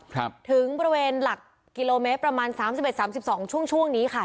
ถึงบริเวณหลักกิโลเมตรประมาณสามสิบเอ็ดสามสิบสองช่วงช่วงนี้ค่ะ